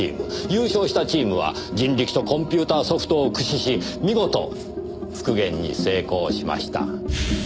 優勝したチームは人力とコンピューターソフトを駆使し見事復元に成功しました。